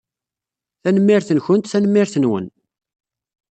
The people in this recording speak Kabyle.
Tanemmirt-nkent tanemmirt-nwen.